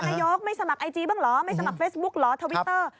นายกไม่สมัครไอจีบ้างเหรอไม่สมัครเฟซบุ๊คเหรอทวิตเตอร์